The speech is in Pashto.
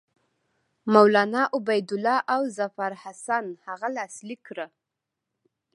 مولنا عبیدالله او ظفرحسن هغه لاسلیک کړه.